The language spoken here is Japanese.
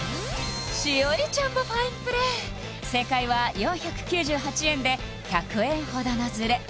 栞里ちゃんもファインプレー正解は４９８円で１００円ほどのズレ